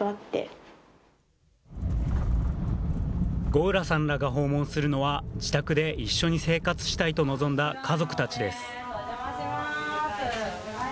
吾浦さんらが訪問するのは自宅で一緒に生活したいと望んだ家族たちです。